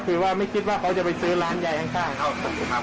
ก็คือว่าไม่คิดว่าเขาจะไปซื้อร้านใหญ่ข้าง